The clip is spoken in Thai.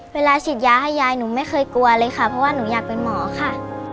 เวลาฉีดยาให้ยายหนูไม่เคยกลัวเลยค่ะเพราะว่าหนูอยากเป็นหมอค่ะ